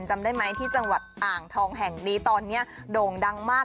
จำได้ไหมที่จังหวัดอ่างทองแห่งนี้ตอนนี้โด่งดังมาก